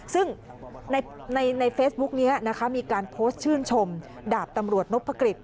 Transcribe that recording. ซึ่งในเฟซบุ๊กนี้นะคะมีการโพสต์ชื่นชมดาบตำรวจนพกฤษ